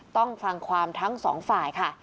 ต้องฟังความทั้งสองฝ่ายค่ะ